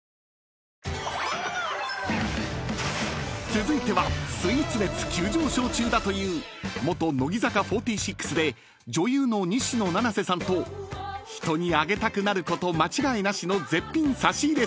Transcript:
［続いてはスイーツ熱急上昇中だという元「乃木坂４６」で女優の西野七瀬さんと人にあげたくなること間違いなしの絶品差し入れ